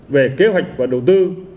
về kế hoạch và đầu tư